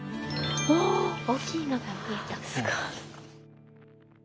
すごい！大きいのが見えた。